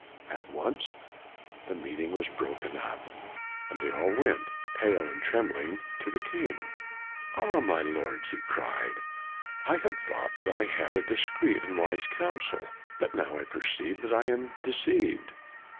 At once, the meeting was broken up, and they all went, pale and trembling, to the king. " Ah, my Lords," he cried, " I had thought that I had a discreet and wise Council, but now I perceive that I am deceived.